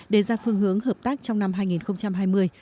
để ra phương hướng hợp tác trong năm hai nghìn hai mươi